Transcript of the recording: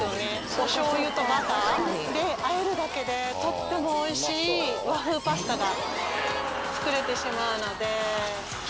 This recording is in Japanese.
お醤油とバターで和えるだけでとっても美味しい和風パスタが作れてしまうので。